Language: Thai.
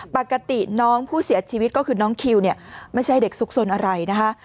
ปกติน้องผู้เสียชีวิตก็คือน้องคิวเนี่ยไม่ใช่เด็กซุกสนอะไรนะคะ